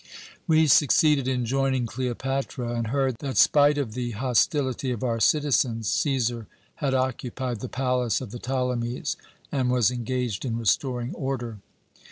"We succeeded in joining Cleopatra, and heard that, spite of the hostility of our citizens, Cæsar had occupied the palace of the Ptolemies and was engaged in restoring order.